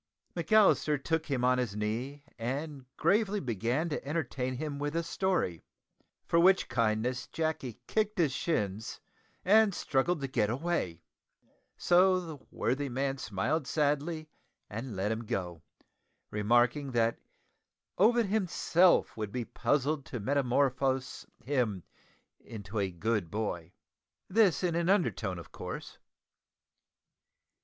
McAllister took him on his knee and gravely began to entertain him with a story, for which kindness Jacky kicked his shins and struggled to get away; so the worthy man smiled sadly, and let him go, remarking that Ovid himself would be puzzled to metamorphose him into a good boy this in an undertone, of course.